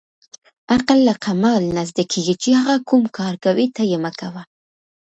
عقل له قمعل نه زدکیږی چی هغه کوم کار کوی ته یی مه کوه